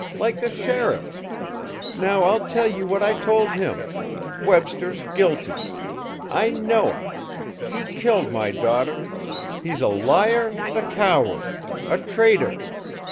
Like the sheriff! Now, I'll tell you what I told him: Webster's guilty. I know it! He killed my daughter. He's a liar and a coward a traitor!